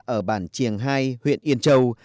ở bản triềng hai huyện yên châu